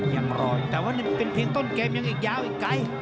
ยังรออยู่แต่ว่าเป็นเพียงต้นเกมยังอีกยาวอีกไกล